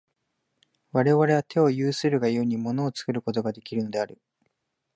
我々は手を有するが故に、物を作ることができるのである。